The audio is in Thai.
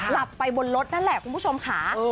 หลับไปบนรถนั่นแหละคุณผู้ชมค่ะ